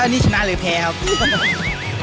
อันนี้ชนะหรือแพ้ครับ